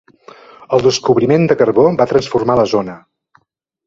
El descobriment de carbó va transformar la zona.